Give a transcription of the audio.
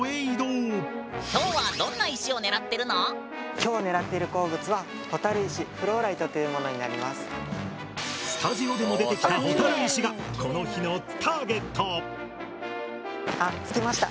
今日狙ってる鉱物はスタジオでも出てきた蛍石がこの日のターゲット。